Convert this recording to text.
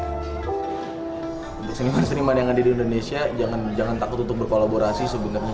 untuk seniman seniman yang ada di indonesia jangan takut untuk berkolaborasi sebenarnya